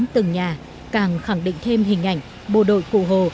từng nhà càng khẳng định thêm hình ảnh bộ đội cụ hồ